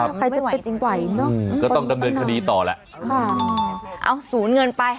ไม่ไหวจริงเนอะต้องตั้งหนังค่ะเอาสูญเงินไป